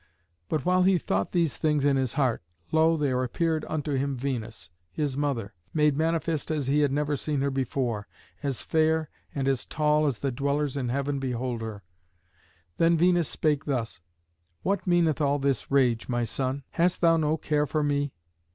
But while he thought these things in his heart, lo! there appeared unto him Venus, his mother, made manifest as he had never seen her before, as fair and as tall as the dwellers in heaven behold her. Then Venus spake thus, "What meaneth all this rage, my son? Hast thou no care for me?